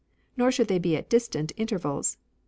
Nor should they be at distant intervals.